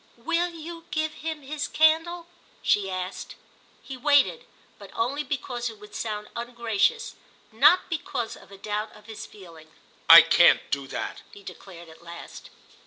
"Will you give him his candle?" she asked. He waited, but only because it would sound ungracious; not because of a doubt of his feeling. "I can't do that!" he declared at last.